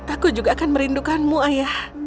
aku juga akan merindukanmu ayah